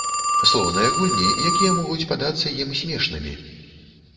Слоўныя гульні, якія могуць падацца ім смешнымі.